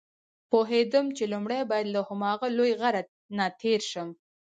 پوهېدم چې لومړی باید له هماغه لوی غره نه تېر شم.